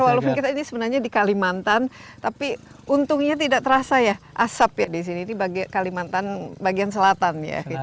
walaupun kita ini sebenarnya di kalimantan tapi untungnya tidak terasa ya asap ya di sini di kalimantan bagian selatan ya